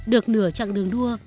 được nửa trạng đường đua